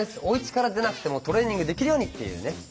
おうちから出なくてもトレーニングできるようにっていうね